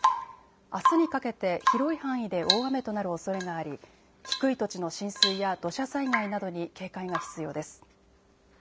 あすにかけて広い範囲で大雨となるおそれがあり低い土地の浸水や土砂災害などに警戒が必要です。